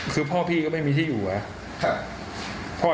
คือพ่อพี่ก็ไม่มีที่อยู่เหรอครับ